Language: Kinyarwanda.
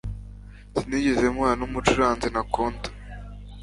Sinigeze mpura numucuranzi ntakunda.